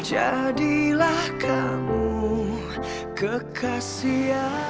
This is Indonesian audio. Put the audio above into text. jadilah kamu kekasihanku